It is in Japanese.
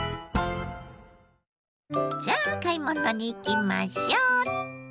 さあ買い物に行きましょう！